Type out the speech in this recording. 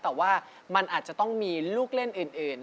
แต่ว่ามันอาจจะต้องมีลูกเล่นอื่น